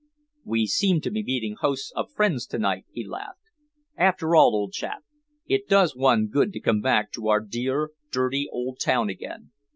"We seem to be meeting hosts of friends to night," he laughed. "After all, old chap, it does one good to come back to our dear, dirty old town again.